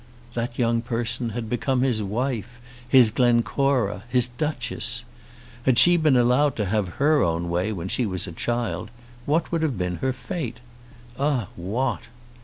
That young person had become his wife, his Glencora, his Duchess. Had she been allowed to have her own way when she was a child, what would have been her fate? Ah what!